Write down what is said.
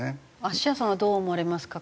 あしやさんはどう思われますか？